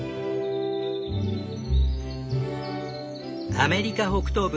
アメリカ北東部